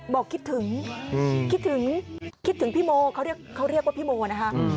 บอกคิดถึงคิดถึงคิดถึงพี่โมเขาเรียกว่าพี่โมนะคะ